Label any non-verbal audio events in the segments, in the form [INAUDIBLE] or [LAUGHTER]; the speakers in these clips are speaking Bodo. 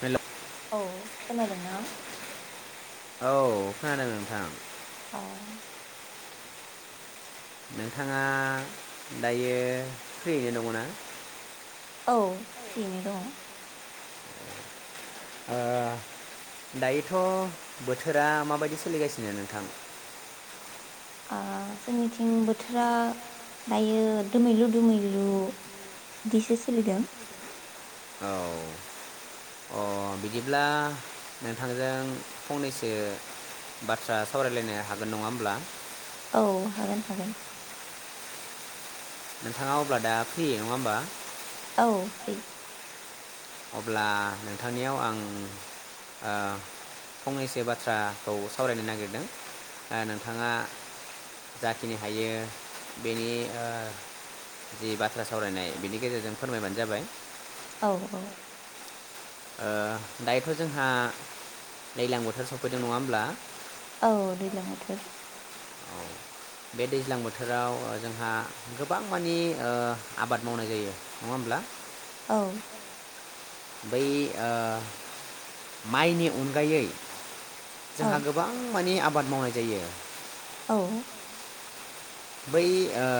हेल औ खोनादोंना? औ खोनादों नोंथां। औ नोंथाङा दायो फ्रियैनो दङ ना। औ फ्रियैनो दङ। ओ दायोथ' बोथोरा माबायदि सोलिगासिनो नोंथां। ओ जोंनिथिं बोथोरा दायो दोमैलु दुमैलु बिदिसो सोलिदों। औ अ' बिदिब्ला नोंथांजों फंनैसो बाथ्रा सावरायलायनो हागोन नङा होमब्ला। औ हागोन हागोन। नोंथाङा अब्ला दा फ्रि नङा होमबा। औ फ्रि। अब्ला नोंथांनियाव आं ओ फंनैसो बाथ्रा खौ सावरायनो नागिरदों नोंथाङा जाखिनि हायो बेनि ओ जि बाथ्रा सावरायनाय बेनि गेजेरजों फोरमायबानो जाबाय। औ औ। ओ दायोथ' जोंहा दैज्लां बोथोर सफैदों नङा होमब्ला। औ दैज्लां बोथोर। औ बे दैज्लां बोथोराव जोंहा गोबां मानि ओ आबाद मावनाय जायो नङा होमब्ला। औ। बै ओ माइनि अनगायै। जोंहा गोबां माने आबाद आबाद मावनाय जायो‌। औ। बै ओ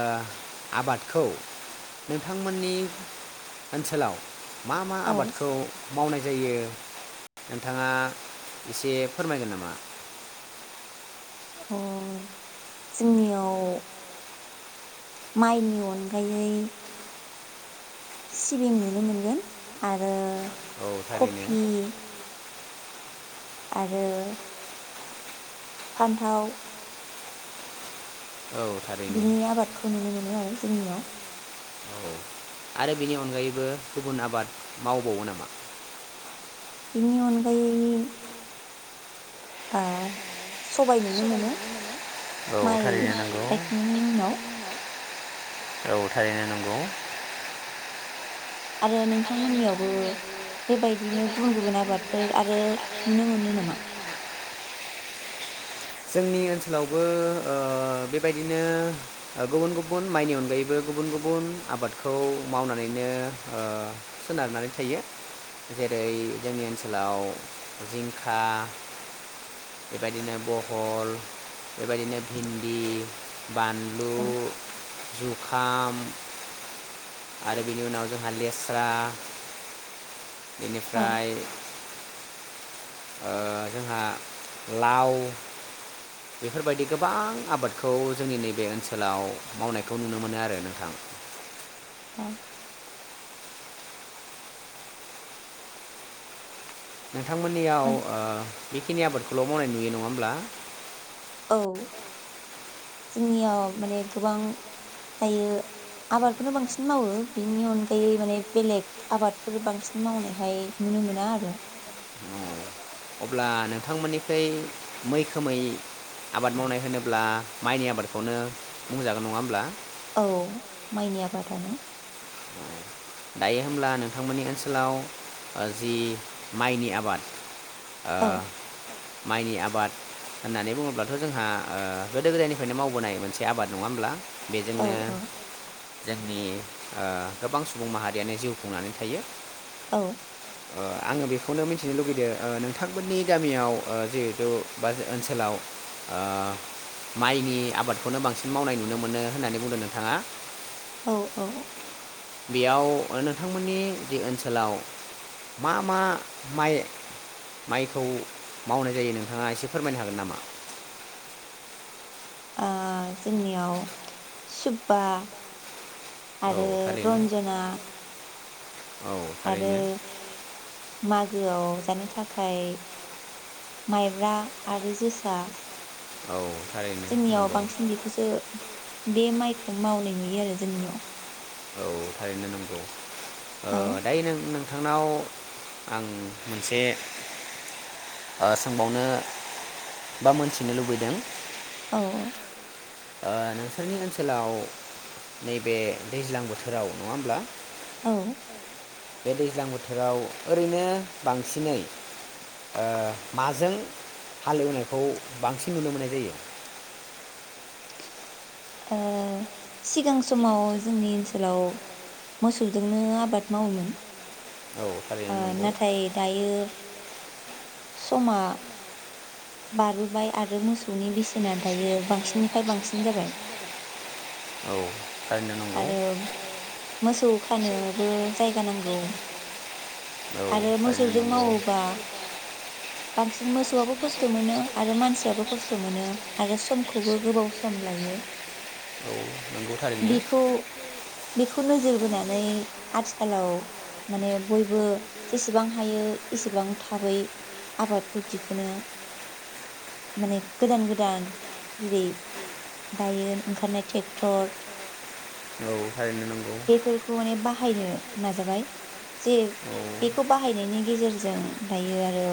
आबादखौ नोंथांमोननि ओनसोलाव। मा मा आबादखौ। मावनाय जायो नोंथाङा एसे फोरमायगोन नामा। अ' जोंनियाव माइनि अनगायै सिबिं नुनो मोनगोन आरो औ थारैनो। आरो। फान्थाव बिनि आबादखौ नुनो मोनो आरो। जोंनियाव। औ आरो बेनि अनगायैबो गुबुन आबाद मावबावो नामा? बिनि अनगायै ओ सबाय नुनो मोनो। माइ गायखांनायनि उनाव। औ थारैनो नंगौ। आरो नोंथांमोननियावबो बेबायदिनो गुबुन गुबुन आबादफोर आरो नुनो मोनो नामा? जोंनि ओनसोलावबो ओ बेबायदिनो गुबुन गुबुन माइनि अनगायैबो गुबुन गुबुन आबादखौ मावनानैनो ओ सोनारनानै थायो जेरै जोंनि ओनसोलाव जिंखा बेबायदिनो बहल बेबायदिनो भिन्दि बानलु जुखाम आरो बिनि उनाव जोंहा लेस्रा बेनिफ्राय ओ जोंहा लाव बेफोरबायदि गोबां आबादखौ जोंनि नैबे ओनसोलाव मावनायखौ नुनो मोनो आरो नोंथां। औ नोंथांमोननियाव ओ बेखिनि आबादखौल' मावनाय नुयो नङा होमब्ला? औ जोंनियाव माने गोबां दायो आबादखौनो बांसिन मावो बेनि अनगायै माने बेलेग आबादफोर बांसिन मावनायहाय नुनो मोना आरो। अब्ला नोंथांमोननि ओमफ्राय मैखोमै आबाद मावनाय होनोब्ला माइनि आबादखौनो बुंजागोन नङा होमब्ला? औ माइनि आबादानो। दायो होमब्ला नोंथांमोननि ओनसोलाव जि माइनि आबाद ओ माइनि आबाद होननानै बुङोब्लाथ' जोंहा गोदो गोदायनिफ्रायनो मावबोनाय मोनसे आबाद नङा होमब्ला? बेजोंनो जोंनि ओ गोबां सुबुं माहारियानो जिउ खुंनानै थायो। औ ओ आङो बेखौनो मिथिनो लुगैदो ओ नोंथांमोननि गामियाव जिहेथु बा ओनसोलाव ओ माइनि आबादखौनो बांसिन मावनाय नुनो मोनो होननानै बुंदों नों थाङा औ औ बेयाव नोंथांमोननि जि ओनसोलाव मा मा माइ माइखौ मावनाय जायो नोंथाङा एसे फोरमायनो हागोन नामा? ओ जोंनियाव सुबबा आरो रन्जना औ थारैनो मागोआव जानो थाखाय माइब्रा आरो जोसा औ जोंनियाव बांसिन बेखौसो बे माइखौ मावनाय नुयो आरो जोंनियाव। औ थारैनो नोंगौ ओ दायो नों-नोंथां‌ थांनाव आं मोनसे सोंबावनो बा मोनथिनो लुबैदों औ औ ओ नोंसोरनि ओनसोलाव नैबे दैज्लां बोथोराव नङा होमब्ला? औ बे दैज्लां बोथोराव ओरैनो बांसिनै ओ माजों हालेवनायखौ बांसिन नुनो मोननाय जायो? ओ सिगां समाव जोंनि ओनसोलाव मोसौजोंनो आबाद मावोमोन। ओ नाथाय दायो समा बारबोबाय आरो मोसौनि बेसेना दायो बांसिन निफ्राय बांसिन जाबाय। आरो मोस सौ खानोबो जायगा नांगौ आरो मोसौजों मावोबा बांसिन मोसौआबो खस्थ मोनो आरो मानसियाबो खस्थ मोनो आरो समखौबो गोबाव सम लायो। बेखौ बेखौ नोजोर बोना नानै आथिखालाव माने बयबो जेसेबां हायो एसेबां थाबै आबादखौ दिखोनो माने गोदान गोदान जेरै दायो ओंखारनाय टेक्टर औ थारैनो नंगौ। खौ माने बाहाय यो नाजाबाय जे बेखौ बाहायनायनि गेजेरजों दायो आरो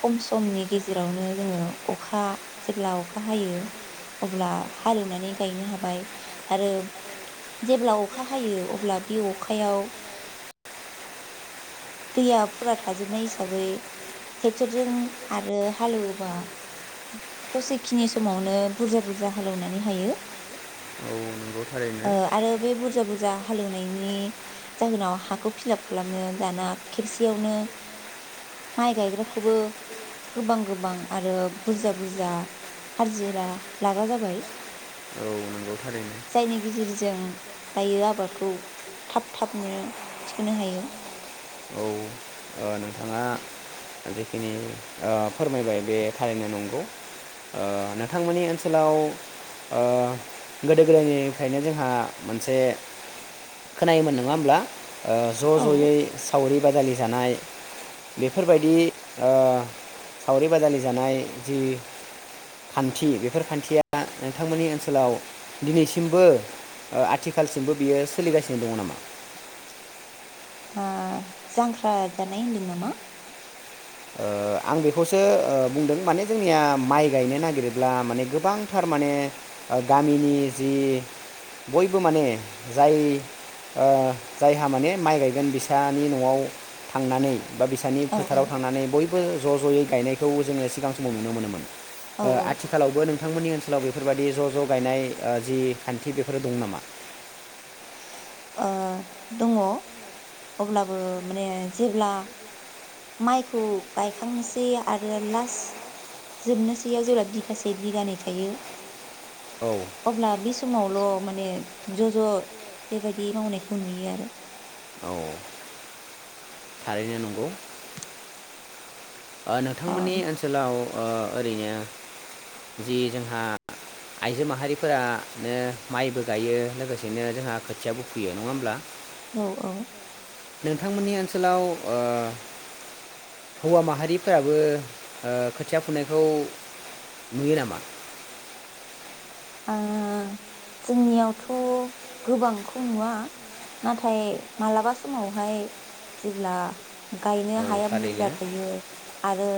खम समनि गेजेरावनो जोङो अखा जेब्ला अखा हायो अब्ला हालौनानै गायनो हाबाय आरो जेब्ला अख अखा हायो अब्ला बे अखायाव दैया फुरा थाजोबनाय हिसाबै टेक्टरजों आरो हालेवोबा दसे खिनि समावनो बुरजा बुरजा हालौनानै हायो ओ आरो बे बुरज बुरजा बुरजा हालेवनायनि जाहोनाव हाखौ फिलाप खालामनो दाना खेबसेयावनो माइ गायग्राखौबो गोबां गोबां आरो बुरज बुरजा हारजिरा लाग्रा जाबाय जायनि गिजिरज जों दायो आबादखौ थाब थाबनो थिखोनो हायो जिखिनि ओ फोरमायबाय बे थारैनो नंगौ ओ नोंथांमोननि ओनसोलाव ओ गोदो गोदायनिफ्रायनो जोंहा मोनसे खोनायोमोन नङा होमब्ला? ओ ज जयै सावरि बादालि जानाय बेफोरबाय दि सावरि बादालि जानाय जि खान्थि बेफोर खान्थिया नोंथांमोननि ओनसोलाव दिनैसिमबो ओ आथिखालसिमबो बियो सोलिगासिनो दङ नामा? ओ जांख्रा जानाय होनदों नामा? ओ आं बेखौसो ओ बुंदों माने जोंनिया माइ गायनो नागिरोब्ला माने गोबांथार माने ओ गामिनि जि बयबो माने जाय ओ जायहा माने माइ गायगोन बिसानि नआव थांनानै बा बिसानि फोथाराव बयबो ज जयै गायनायखौ जोङो सिगां समाव नुनो मोनोमोन ओ आथिखालावबो नों बिथांमोननि ओनसोलाव बेफोरबायदि ज ज गायनाय ओ जि खान्थि बेफोरो दं नामा? ओ दङो अब्लाबो माने जेब्ला माइखौ गायखांनोसै आरो लास्ट जोबनोसैयाव जेब्ला बिगासे बिगानै थायो अब्ला बे समावल माने ज ज बेबायदि मावनायखौ नुयो आरो औ थारैनो नंगौ। ओ नोंथांमोननि ओनसोलाव ओ ओरैनो जि जोंहा आइजो माहारिफोरानो माइबो गायो लोगोसेनो जोंहा खोथियाबो फुयो नङा होमब्ला? औ औ। नोंथांमोननि ओनसोलाव ओ हौवा माहारिफोराबो ओ खोथिया फुनायखौ नुयो नामा? ओ जोंनियावथ' गोबांखौ नुवा नाथाय मालाबा समावहाय जेब्ला गायनो हाया बुरजा थायो आरो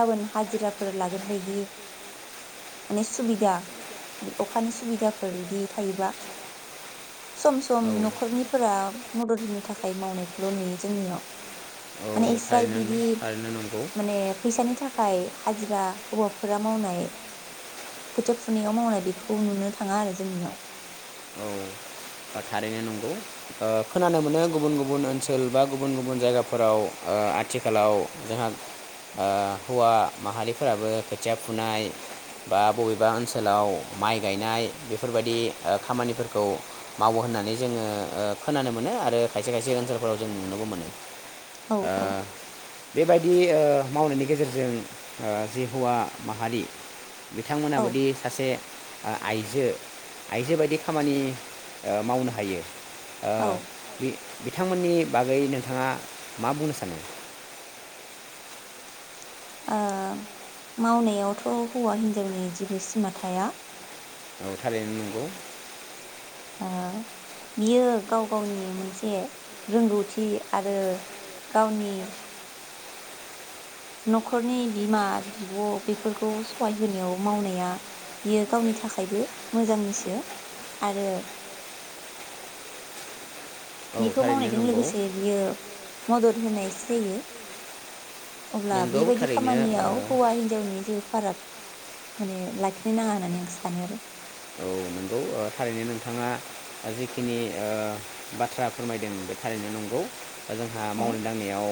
गाबोन हाजिरा फोर लागोन बायदि माने सुबिदा बि अखानि सुबिदाफोर बिदि थायोबा सम सम न'खरनिफोरा मदद होनो थाखाय मावनायखौल' नुयो जोंनियाव। माने इस्राइ बिदि माने फैसानि थाखा [UNINTELLIGIBLE] हाजिरा हौवाफोरा मावनाय खोथिया फु फुनायाव मावनाय बेखौ नुनो थाङा आरो जोंनियाव। औ थारैनो नंगौ ओ खोनानो मोनो गुबुन गुबुन ओनसोल बा गुबुन गुबुन जायगाफोराव ओ आथिखालाव जोंहा ओ हौवा माहारिफोराबो खोथिया फुनाय बा बबेबा ओनसोलाव माइ गायनाय बेफोरबायदि ओ खामानिफोरखौ मावो होननानै जोङो ओ खोनानो मोनो आरो खायसे खायसे ओनसोलफोराव जों नुनोबो मोनो। ओ बेबायदि ओ मावनायनि गेजेरजों ओ जि हौवा माहारि बिथांमोनाबोदि सासे ओ आइजो आइजो बायदि खामानि ओ मावनो हायो। ओ बे बिथांमोननि बागै नोंथाङा मा बुंनो सानो? ओ मावनायावथ' हौवा हिन्जावनि जेबो सिमा थाया। औ थारैनो नंगौ। ओ बियो गाव गावनि मोनसे रोंगौथि आरो गावनि नख'रनि बिमा बिब बेफोरखौ सहाय होनायाव मावनाया बियो गावनि थाखायबो मोजांनिसो आरो बिखौ मावनायजों लोगोसे बियो मदद होनायसो जायो। अब्ला बेबायदि खामानियाव हौवा हिनजावनि जिबो फाराग माने लाखिनो नाङा होननानै आं सानो आरो। औ नंगौ ओ थारैनो नोंथाङा जिखिनि ओ बाथ्रा फोरमायदों बे थारैनो नंगौ। दा जोंहा मावनाय दांनायाव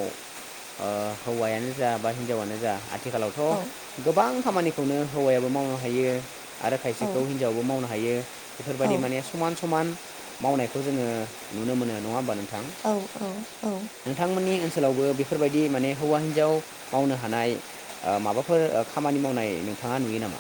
ओ हौवायानो जा बा हिनजावानो जा आथ आथिखालावथ' गोबां खामानिखौनो हौवायाबो मावनो हायो आरो हिनजावाबो मावनो हा हायो बेफोरबायदि माने समान समान मावनायखौ जोङो नुनो मोनो नङा होमबा नों नोंथां नोंथां मोननि ओनसो सोलावबो बेफोरबायदि माने हौवा हिन्जाव मावनो हानाय ओ माबाफोर खामानि मावनाय नोंथाङा नुयो नामा?